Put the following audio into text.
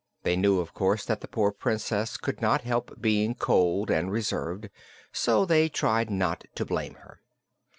They knew, of course, that the poor Princess could not help being cold and reserved, so they tried not to blame her.